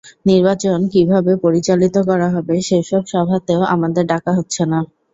নির্বাচন কীভাবে পরিচালিত করা হবে, সেসব সভাতেও আমাদের ডাকা হচ্ছে না।